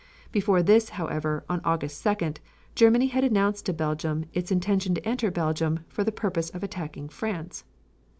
Before this, however, on August 2d, Germany had announced to Belgium its intention to enter Belgium for the purpose of attacking France.